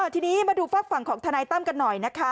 ทีนี้มาดูฝากฝั่งของทนายตั้มกันหน่อยนะคะ